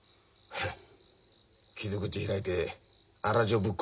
フッ。